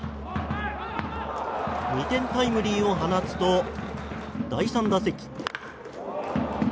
２点タイムリーを放つと第３打席。